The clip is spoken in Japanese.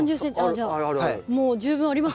じゃあもう十分ありますね。